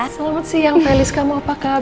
selamat siang felis kamu apa kabar